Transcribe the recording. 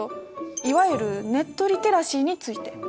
いわゆるネットリテラシーについて。